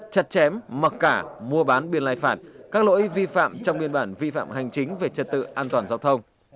chặt chém mặc cả mua bán biên lai phạt các lỗi vi phạm trong biên bản vi phạm hành chính về trật tự an toàn giao thông